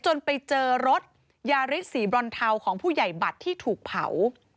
จนไปเจอรถยาริสสีบรอนเทาของผู้ใหญ่บัตรที่ถูกเผา